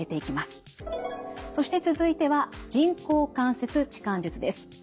そして続いては人工関節置換術です。